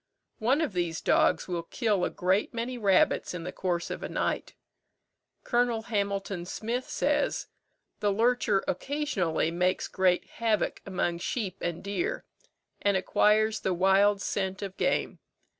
One of these dogs will kill a great many rabbits in the course of a night. Col. Hamilton Smyth says, "The lurcher occasionally makes great havoc among sheep and deer, and acquires the wild scent of game.